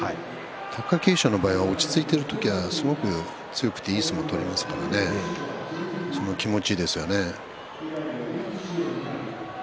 貴景勝の場合は落ち着いて相撲を取る時にはすごくいい相撲を取りますからねその気持ちですよね。